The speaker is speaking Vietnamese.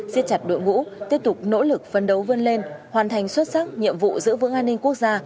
xiết chặt đội ngũ tiếp tục nỗ lực phân đấu vươn lên hoàn thành xuất sắc nhiệm vụ giữ vững an ninh quốc gia